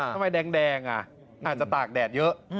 ทำไมแดงอาจจะตากแดดเยอะ